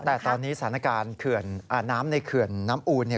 แต่ตอนนี้สถานการณ์เขื่อนน้ำในเขื่อนน้ำอูน